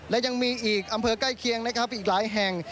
และยังมีอีกอำเภอใกล้เคียงนะครับอีกหลายแห่ง